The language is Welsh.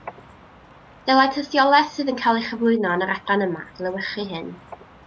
Dylai tystiolaeth sydd yn cael ei chyflwyno yn yr adran yma adlewyrchu hyn